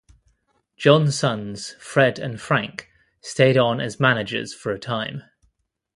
John's sons, Fred and Frank stayed on as managers for a time.